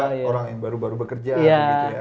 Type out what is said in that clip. juga orang yang baru baru bekerja gitu ya